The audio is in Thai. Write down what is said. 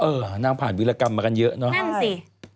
นางผ่านวิรากรรมมากันเยอะเนอะนั่นสิ